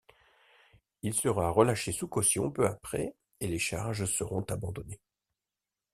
Il sera relâché sous caution peu après et les charges seront abandonnées.